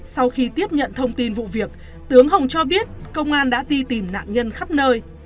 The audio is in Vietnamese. sau khi tiếp nhận thông tin vụ việc tướng hồng cho biết công an đã đi tìm nạn nhân khắp nơi